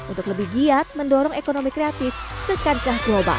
untuk lebih giat mendorong ekonomi kreatif ke kancah global